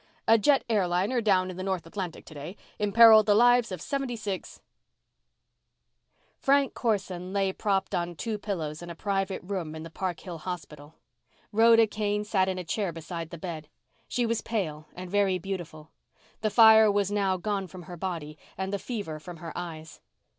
"A jet airliner, down in the North Atlantic today, imperiled the lives of seventy six ..."Frank Corson lay propped on two pillows in a private room of the Park Hill Hospital. Rhoda Kane sat in a chair beside the bed. She was pale and very beautiful. The fire was now gone from her body and the fever from her eyes.